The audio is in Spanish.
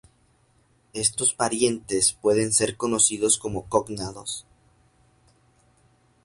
Estos parientes pueden ser conocidos como cognados.